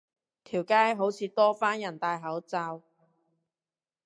條街好似多返人戴口罩